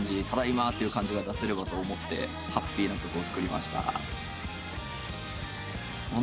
「ただいま」って感じが出せればと思ってハッピーな曲を作りました。